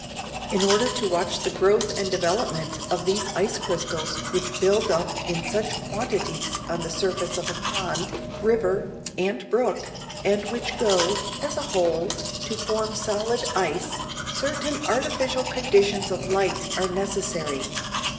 In order to watch the growth and development of these ice crystals which build up in such quantities on the surface of pond, river and brook, and which go, as a whole, to form solid ice, certain artificial conditions of light are necessary.